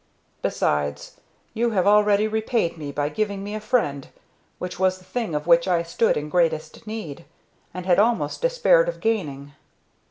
Besides, you have already repaid me by giving me a friend, which was the thing of which I stood in greatest need, and had almost despaired of gaining."